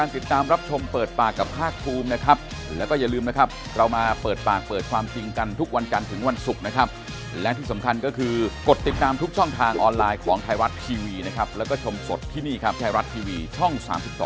ติดตามทุกช่องทางออนไลน์ของไทยรัฐทีวีและชมสดที่นี่ไทยรัฐทีวีช่อง๓๒